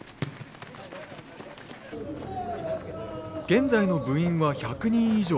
現在の部員は１００人以上。